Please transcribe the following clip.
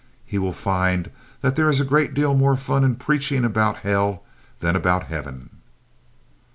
He will find that there is a great deal more fun in preaching about hell than about heaven.